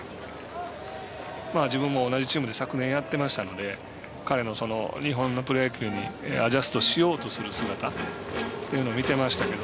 自分も同じチームで昨年やってましたので彼の日本のプロ野球にアジャストしようとする姿見ていましたけど